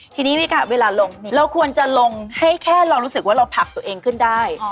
ทีนี้ค่ะเวลาลงเราควรจะลงให้แค่เรารู้สึกว่าเราผลักตัวเองขึ้นได้